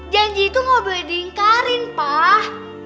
janji itu gak boleh dingkarin pak